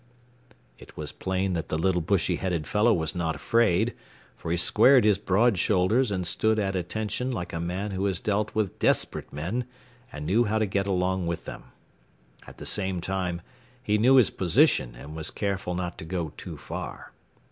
It was plain that the little bushy headed fellow was not afraid, for he squared his broad shoulders and stood at attention like a man who has dealt with desperate men and knew how to get along with them. At the same time he knew his position and was careful not to go too far.